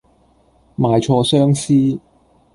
賣錯相思